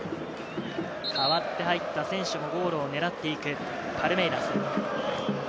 代わって入った選手もゴールを狙っていくパルメイラス。